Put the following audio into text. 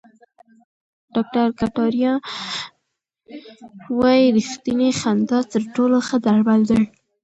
ډاکټر کتاریا وايي ریښتینې خندا تر ټولو ښه درمل دي.